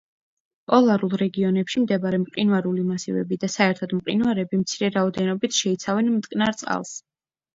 პოლარულ რეგიონებში მდებარე მყინვარული მასივები და საერთოდ მყინვარები მცირე რაოდენობით შეიცავენ მტკნარ წყალს.